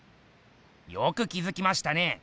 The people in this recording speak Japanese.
よく気づきましたね。